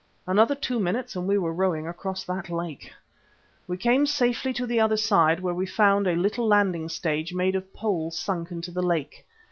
Another two minutes and we were rowing across that lake. We came safely to the other side, where we found a little landing stage made of poles sunk into the lake.